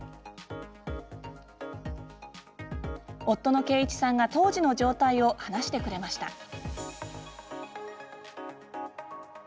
夫の啓一さんが当時の状態を話してくれました。